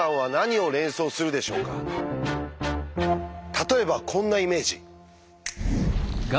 例えばこんなイメージ？